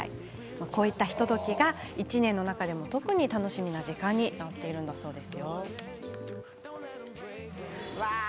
こういった、ひとときが１年の中でも特に楽しみな時間なんだそうです。